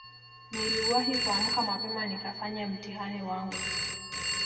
niliwahi kuamka mapema nikafanye mtihani wangu